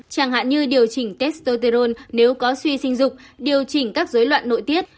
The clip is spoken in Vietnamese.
chẳng hạn như điều chỉnh testroteinrone nếu có suy sinh dục điều chỉnh các dối loạn nội tiết